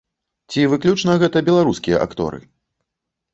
Ці выключна гэта беларускія акторы?